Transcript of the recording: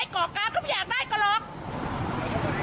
ก่อกาเขาไม่อยากได้ก็หรอก